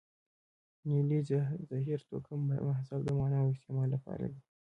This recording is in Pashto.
نیلې، زهیر، توکم، مهذب د معنا او استعمال لپاره دي.